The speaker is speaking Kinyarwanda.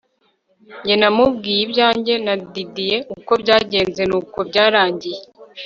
Njye namubwiye ibyanjye na Didie uko byagenze nuko byarangiye